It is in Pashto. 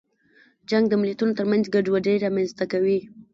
جنګ د ملتونو ترمنځ ګډوډي رامنځته کوي.